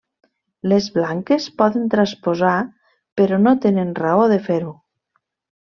Les blanques poden transposar, però no tenen raó de fer-ho.